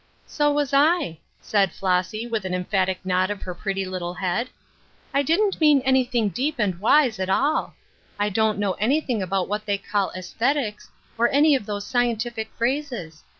'* "So was I," said Flossy, with an emphatic nod of her pretty little head. " I didn't mean anything deep and wise, at all. I don't know anything about what they call ' esthetics,* or any of those scientific phrases.